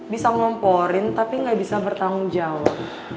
bisa ngomporin tapi nggak bisa bertanggung jawab